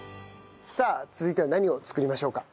さあ続いては何を作りましょうか？